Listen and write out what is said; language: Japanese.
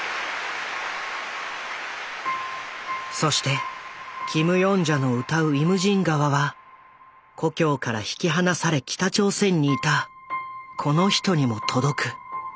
そしてキム・ヨンジャの歌う「イムジン河」は故郷から引き離され北朝鮮にいたこの人にも届く。